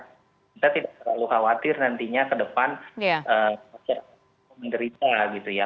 kita tidak terlalu khawatir nantinya ke depan masyarakat menderita gitu ya